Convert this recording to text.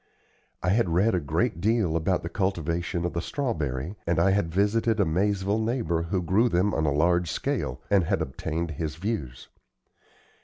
I had read a great deal about the cultivation of the strawberry, and I had visited a Maizeville neighbor who grew them on a large scale, and had obtained his views.